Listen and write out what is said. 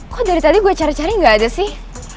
kok dari tadi gue cari cari nggak ada sih